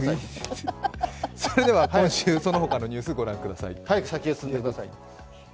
それでは最近その他のニュースご覧ください。